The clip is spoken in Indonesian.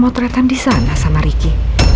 mbak adin pernah datang disana sama ricky